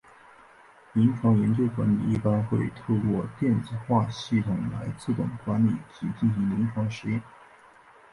临床研究管理一般会透过电子化系统来自动管理及进行临床试验。